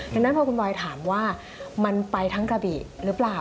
ดังนั้นพอคุณบอยถามว่ามันไปทั้งกระบี่หรือเปล่า